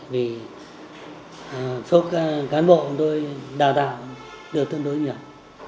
vì sao tôi nói vậy vì số cán bộ của tôi đào tạo được tương đối nhiều